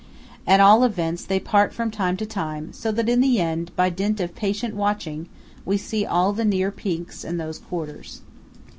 At all events they part from time to time, so that in the end, by dint of patient watching, we see all the near peaks in those quarters.